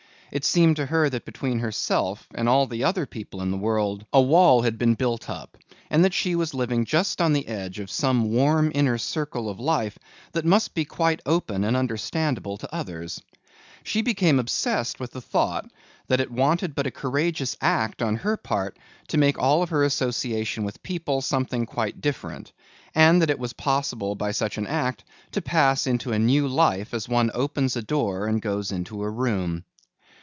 It seemed to her that between herself and all the other people in the world, a wall had been built up and that she was living just on the edge of some warm inner circle of life that must be quite open and understandable to others. She became obsessed with the thought that it wanted but a courageous act on her part to make all of her association with people something quite different, and that it was possible by such an act to pass into a new life as one opens a door and goes into a room.